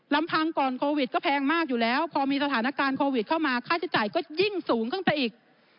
ลำพังก่อนโควิดก็แพงมากอยู่แล้วพอมีสถานการณ์โควิดเข้ามาค่าใช้จ่ายก็ยิ่งสูงขึ้นไปอีก